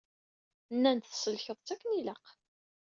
Nnan-d tsellkeḍ-tt akken ilaq.